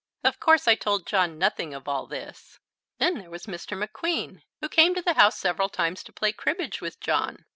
Of course I told John nothing of all this. Then there was Mr. McQueen, who came to the house several times to play cribbage with John.